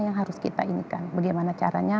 yang harus kita inikan bagaimana caranya